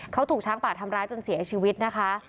เขาถูกช้างป่าทำร้ายจนเสียชีวิตนะคะ